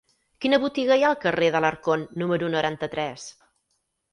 Quina botiga hi ha al carrer d'Alarcón número noranta-tres?